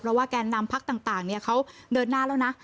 เพราะว่าแกนำพักต่างต่างเนี่ยเขาเดินหน้าแล้วนะ